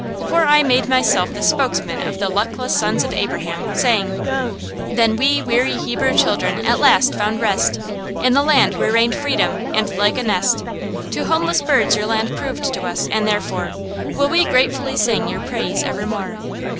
For I made myself the spokesman of the "luckless sons of Abraham," saying Then we weary Hebrew children at last found rest In the land where reigned Freedom, and like a nest To homeless birds your land proved to us, and therefore Will we gratefully sing your praise evermore.